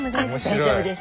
大丈夫です。